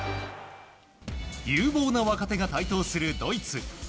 有望な若手が台頭するドイツ。